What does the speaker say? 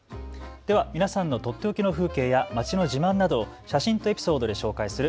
では皆さんのとっておきの風景や街の自慢などを写真とエピソードで紹介する＃